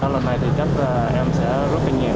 lần này thì chắc em sẽ rất là nhiều